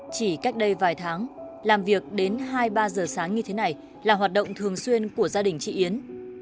chỉ cách đây vài tháng làm việc đến hai ba giờ sáng như thế này là hoạt động thường xuyên của gia đình chị yến